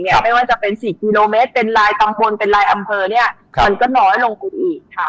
ไม่ว่าจะเป็น๔กิโลเมตรเป็นลายตำบลเป็นลายอำเภอเนี่ยมันก็น้อยลงกว่าอีกค่ะ